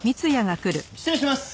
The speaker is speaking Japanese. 失礼します。